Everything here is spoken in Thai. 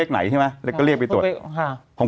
คุณเคยกดแล้วเลขที่ช่อง๓